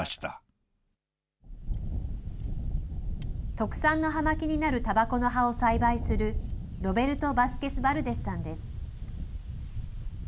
特産の葉巻になるタバコの葉を栽培する、ロベルト・バスケス・バルデスさんです。